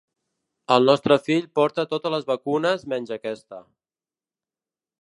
El nostre fill porta totes les vacunes menys aquesta.